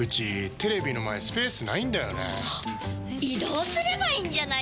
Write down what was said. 移動すればいいんじゃないですか？